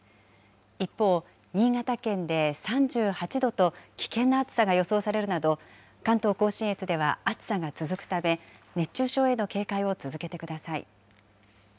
一方、新潟県で３８度と危険な暑さが予想されるなど、関東甲信越では暑さが続くため、熱中症への警戒を続けてください。